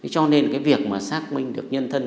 cho nên việc xác minh được nhân thân